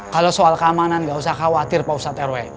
kalau soal keamanan nggak usah khawatir pak ustadz rw